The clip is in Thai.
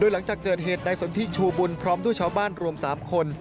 หลังจากเกิดเหตุในสนทิชูบุญพร้อมด้วยชาวบ้านรวม๓คน